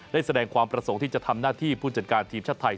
แสดงความประสงค์ที่จะทำหน้าที่ผู้จัดการทีมชาติไทย